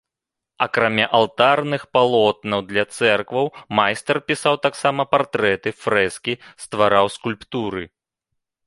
Акрамя алтарных палотнаў для цэркваў, майстар пісаў таксама партрэты, фрэскі, ствараў скульптуры.